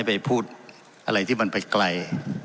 ไปพูดอะไรที่มันไปไกล